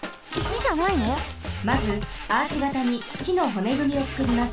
まずアーチがたにきのほねぐみをつくります。